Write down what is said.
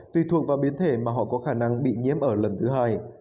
tùy thuộc vào biến thể mà họ có khả năng bị nhiễm ở lần thứ hai